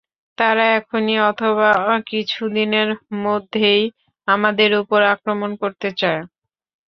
তারা এখনই অথবা কিছুদিনের মধ্যেই আমাদের উপর আক্রমণ করতে চায়।